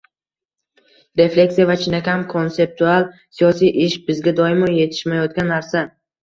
refleksiya va chinakam konseptual siyosiy ish bizga doimo yetishmayotgan narsa